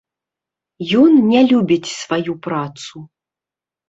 Ён не любіць сваю працу.